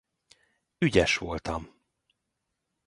Ügyes voltam!